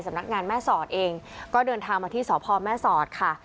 สำนักงานแม่สอดเองก็เดินทางมาที่สพแม่สอดค่ะ